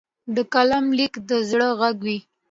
د قلم لیک د زړه غږ وي.